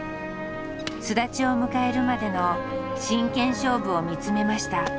巣立ちを迎えるまでの真剣勝負を見つめました。